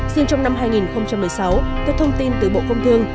riêng trong năm hai nghìn một mươi sáu theo thông tin từ bộ công thương